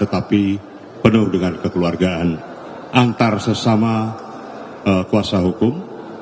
tetapi penuh dengan kekeluargaan antar sesama kuasa hukum